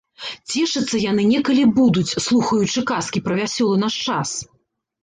Цешыцца яны некалі будуць, слухаючы казкі пра вясёлы наш час.